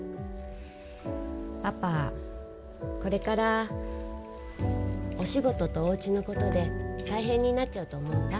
パパ、これからお仕事とおうちのことで大変になっちゃうと思うんだ。